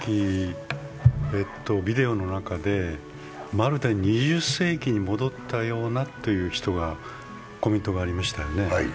ビデオの中でまるで２０世紀に戻ったようなというコメントがありましたよね。